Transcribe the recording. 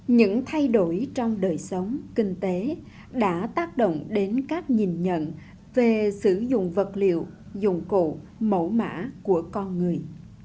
những thay đổi trong đời sống kinh tế đã tác động đến các nhìn nhận về sử dụng vật liệu dụng cụ mẫu mã của con người